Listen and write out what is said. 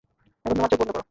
এখন তোমার চোখ বন্ধ কর।